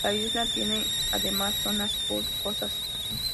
La isla tiene además zonas boscosas.